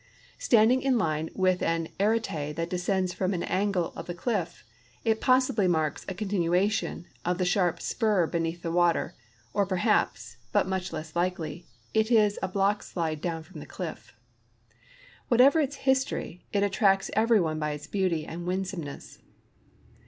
Standing in line with an arete that descends from an angle of the cliff, it possibly marks a continuation of the sharp spur beneath the water, or ])orhaps, but much less liUely, it is a block slid down from the cliff. Wliatever its history, it attracts every one by its l)eauty and winsomeness.